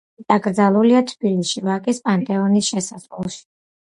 დაკრძალულია თბილისში, ვაკის პანთეონის შესასვლელში.